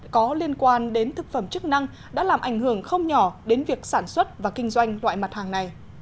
có liên quan đến thực phẩm chức năng đã làm ảnh hưởng không nhỏ đến việc sản xuất và kinh doanh loại mặt hàng này